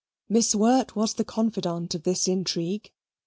Miss Wirt was the confidante of this intrigue.